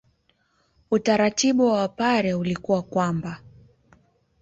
Utaratibu wa Wapare ulikuwa kwamba